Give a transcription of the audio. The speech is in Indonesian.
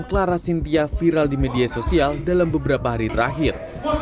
clara sintia viral di media sosial dalam beberapa hari terakhir